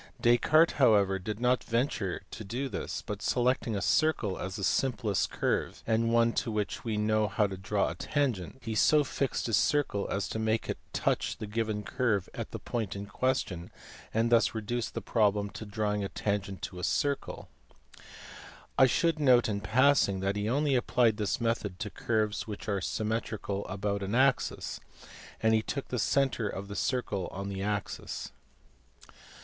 Descartes however did not venture to do this, but selecting a circle as the simplest curve and one to which he knew how to draw a tangent, he so fixed his circle as to make it touch the given curve at the point in question and thus reduced the problem to drawing a tangent to a circle. I should note in passing that he only applied this method to curves which are symmetrical about an axis, and he took the centre of the circle on the axis.